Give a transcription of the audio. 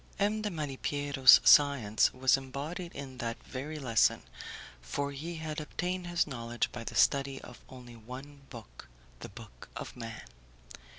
M. de Malipiero's science was embodied in that very lesson, for he had obtained his knowledge by the study of only one book the book of man.